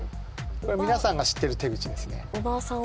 これ皆さんが知ってる手口ですねおばあさん